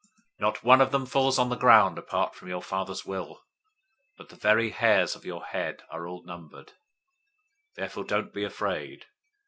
Not one of them falls on the ground apart from your Father's will, 010:030 but the very hairs of your head are all numbered. 010:031 Therefore don't be afraid.